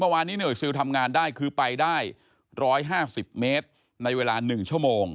ว่าย๑๕๐เมตรในเวลา๑ชั่วโมง